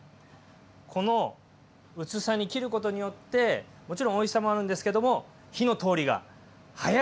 この薄さに切ることによってもちろんおいしさもあるんですけども火の通りが早くなる！